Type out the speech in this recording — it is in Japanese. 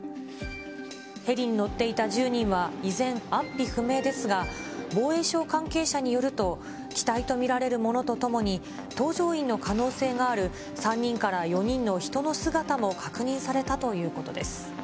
ヘリに乗っていた１０人は、依然、安否不明ですが、防衛省関係者によると、機体と見られるものとともに、搭乗員の可能性がある３人から４人の人の姿も確認されたということです。